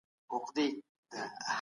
د ځمکې اماده کول هم مهارت غواړي.